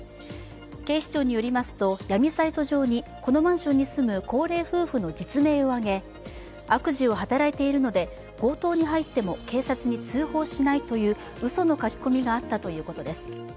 警視庁によりますと、闇サイト上にこのマンションに住む高齢夫婦の実名を挙げ悪事を働いているので強盗に入っても警察に通報しないといううその書き込みがあったということです。